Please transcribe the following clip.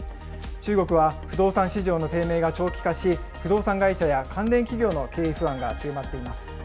中国は不動産市場の低迷が長期化し、不動産会社や関連企業の経営不安が強まっています。